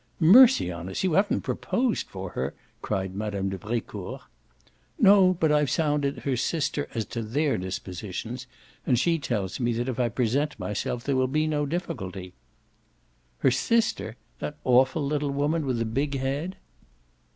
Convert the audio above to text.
"Mercy on us you haven't proposed for her?" cried Mme. de Brecourt. "No, but I've sounded her sister as to THEIR dispositions, and she tells me that if I present myself there will be no difficulty." "Her sister? the awful little woman with the big head?"